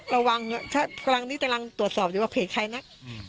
ระวังถ้ากำลังนี้กำลังตรวจสอบอยู่ว่าเพจใครนัก